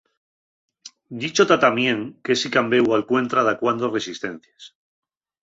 Dicho ta tamién qu'esi cambéu alcuentra dacuando resistencies.